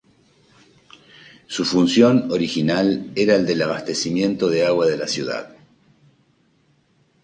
Su función original era la del abastecimiento de agua de la ciudad.